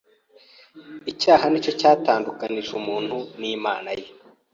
Icyaha ni cyo cyatandukanyije umuntu n’Imana ye